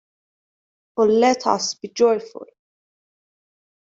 O let us be joyful!